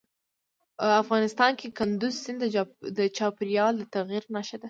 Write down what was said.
افغانستان کې کندز سیند د چاپېریال د تغیر نښه ده.